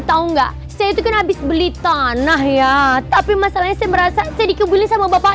tahu enggak saya itu kan habis beli tanah ya tapi masalahnya saya merasa saya dikebili sama bapak